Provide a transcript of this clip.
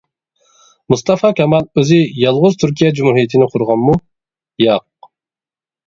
مۇستاپا كامال ئۆزى يالغۇز تۈركىيە جۇمھۇرىيىتىنى قۇرغانمۇ؟ ياق.